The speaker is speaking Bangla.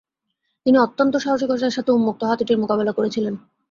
তিনি অত্যন্ত সাহসিকতার সাথে উন্মত্ত হাতিটির মোকাবেলা করেছিলেন।